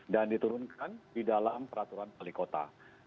dan diturunkan di dalam peraturan balik kota